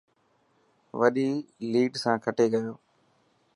وڏي ليڊ سان کٽي گيو.